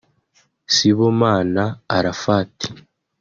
Sibomana Arafat